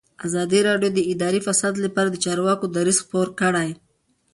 ازادي راډیو د اداري فساد لپاره د چارواکو دریځ خپور کړی.